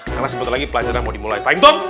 karena sebetulnya pelajaran mau dimulai